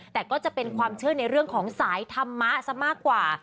แต่ก็จะเป็นความเชื่อในเรื่องของสายธรรมะซะมากกว่า